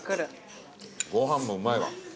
ご飯もうまいわ。